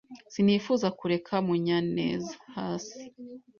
sinifuza kureka Munyanezhasi.